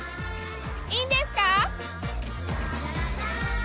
いいんですか？